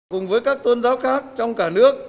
cùng với các tôn giáo khác trong cả nước